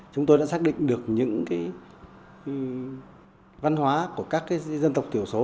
chúng tôi đã xác định được những văn hóa của các dân tộc thiểu số